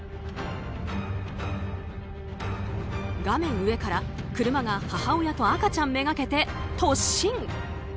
画面上から車が母親と赤ちゃんめがけて突進。